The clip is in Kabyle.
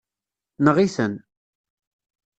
Neɣ-iten.